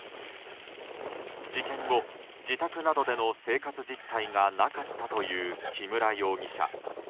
事件後、自宅などでの生活実態がなかったという木村容疑者。